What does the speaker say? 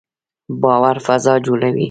باور فضا جوړوي